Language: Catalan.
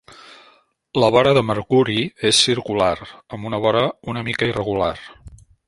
La vora de Mercuri és circular, amb una vora una mica irregular.